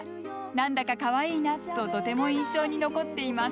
なんだかかわいいなととても印象に残っています。